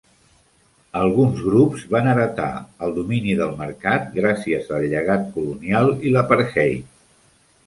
Alguns grups van heretà el domini del mercat gràcies al llegat colonial i l'apartheid.